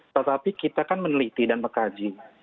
tetapi kita kan meneliti dan mengkaji